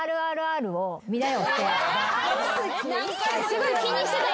すごい気にしてた